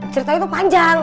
ceritanya tuh panjang